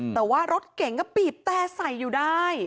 แต่ว่ารถเก่งก็บีบแต่ใส่อยู่ได้